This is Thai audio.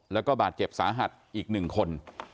แล้วก็บาดเจ็บสาหัสอีก๑คน